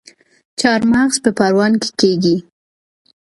چارمغز په پروان کې کیږي